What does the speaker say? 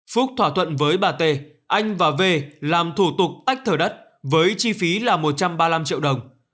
phúc thỏa thuận với bà t anh và v làm thủ tục tách thửa đất với chi phí là một trăm ba mươi năm triệu đồng